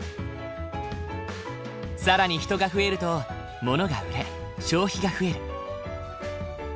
更に人が増えるとものが売れ消費が増える。